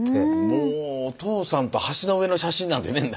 もうお父さんと橋の上の写真なんてね